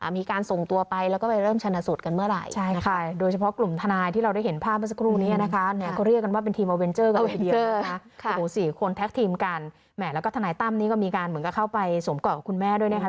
มีการเข้าไปสมเกาะกับคุณแม่ด้วยนะครับ